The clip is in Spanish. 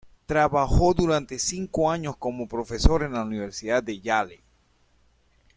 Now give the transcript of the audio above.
Trabajó durante cinco años como profesor en la Universidad de Yale.